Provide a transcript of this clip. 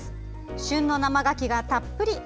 旬の生がきがたっぷり。